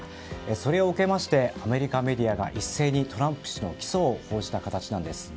それを受けましてアメリカメディアが一斉にトランプ氏の起訴を報じた形です。